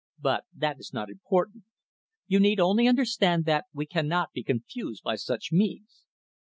But that is not important. You need only understand that we cannot be confused by such means."